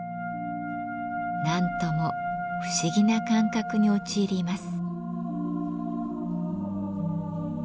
何とも不思議な感覚に陥ります。